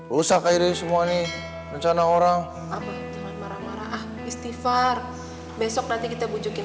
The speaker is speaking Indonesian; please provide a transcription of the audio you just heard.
rusak akhirnya semua nih rencana orang apa cuma marah marah ah istighfar besok nanti kita bujukin